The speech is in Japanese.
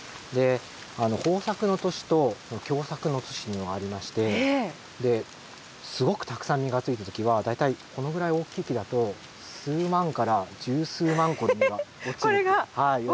豊作の年と凶作の時とありましてすごくたくさん実がついた時は大体このぐらい大きい木だと数万から十数万個の実が落ちるといわれてます。